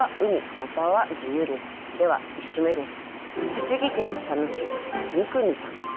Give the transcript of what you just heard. では１首目です。